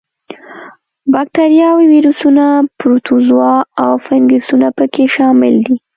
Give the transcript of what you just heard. با کتریاوې، ویروسونه، پروتوزوا او فنګسونه په کې شامل دي.